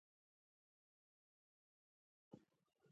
او ستا ومخ ته پرتې دي !